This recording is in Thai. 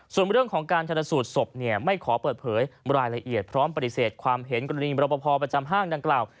ส่วนเรื่องของการชนสูตรศพไม่ขอเปิดเผยรายละเอียดพร้อมปฏิเสธความเห็นกรณีมรบพอประจำห้างดังกล่าว